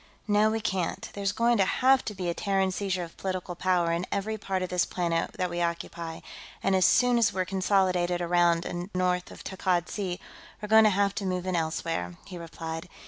"No, we can't. There's going to have to be a Terran seizure of political power in every part of this planet that we occupy, and as soon as we're consolidated around and north of Takkad Sea, we're going to have to move in elsewhere," he replied.